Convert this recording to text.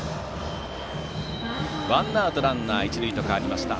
ワンアウトランナー、一塁と変わりました。